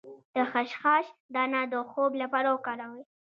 د خشخاش دانه د خوب لپاره وکاروئ